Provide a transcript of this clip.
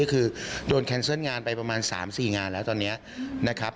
คือโดนแคนเซิลงานไปประมาณ๓๔งานแล้วตอนนี้นะครับ